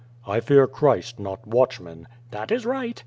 "I fear Clirist, not watchmen." "That is riglit.